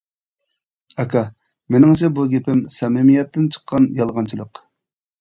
ئاكا. مېنىڭچە بۇ گېپىم، سەمىمىيەتتىن چىققان يالغانچىلىق.